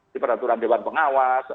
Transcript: di peraturan dewan pengawas